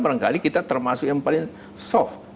barangkali kita termasuk yang paling soft